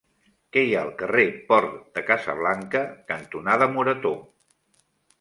Què hi ha al carrer Port de Casablanca cantonada Morató?